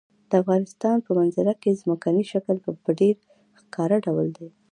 د افغانستان په منظره کې ځمکنی شکل په ډېر ښکاره ډول دی.